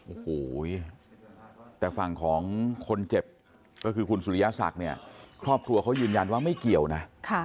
โอ้โหแต่ฝั่งของคนเจ็บก็คือคุณสุริยศักดิ์เนี่ยครอบครัวเขายืนยันว่าไม่เกี่ยวนะ